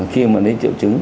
khi mà đến triệu chứng